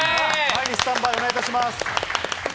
スタンバイお願いします。